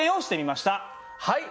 はい。